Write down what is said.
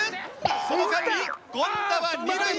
その間に権田は二塁へ。